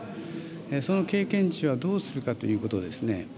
その経験値はどうするかということですね。